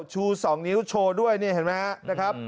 ชู๒นิ้วโชว์ด้วยนี่เห็นไหมครับนะครับ